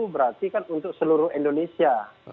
berarti kan untuk seluruh indonesia